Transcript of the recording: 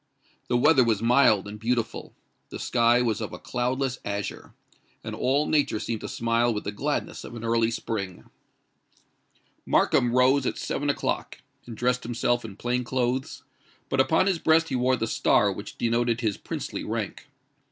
The weather was mild and beautiful; the sky was of a cloudless azure; and all nature seemed to smile with the gladness of an early spring. Markham rose at seven o'clock, and dressed himself in plain clothes; but upon his breast he wore the star which denoted his princely rank.